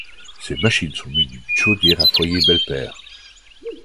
Ces machines sont munies d'une chaudière à foyer Belpaire.